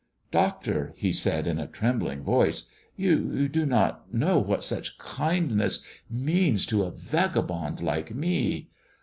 "Doctor," he said in a trembling voice, you do not know what such kindness means to a vagabond like me.